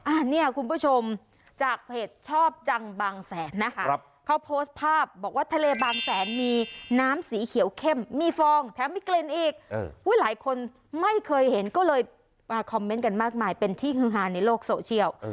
อันนี้คุณผู้ชมจากเพจชอบจังบางแสนนะคะเขาโพสต์ภาพบอกว่าทะเลบางแสนมีน้ำสีเขียวเข้มมีฟองแถมมีกลิ่นอีกหลายคนไม่เคยเห็นก็เลยมาคอมเมนต์กันมากมายเป็นที่ฮือฮาในโลกโซเชียล